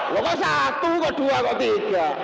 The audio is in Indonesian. lo kok satu ke dua ke tiga